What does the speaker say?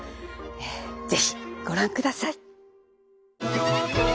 ぜひご覧ください。